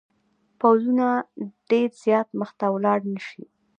پوځونه ډېر زیات مخته ولاړ نه شي.